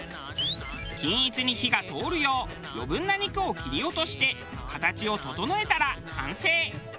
均一に火が通るよう余分な肉を切り落として形を整えたら完成。